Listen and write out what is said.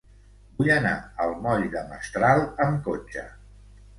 Vull anar al moll de Mestral amb cotxe.